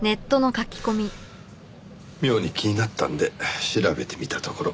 妙に気になったんで調べてみたところ。